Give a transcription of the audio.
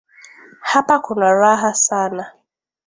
Hapa kuna raha sana